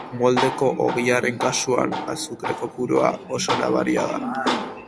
Moldeko ogiaren kasuan, azukre kopurua oso nabaria da.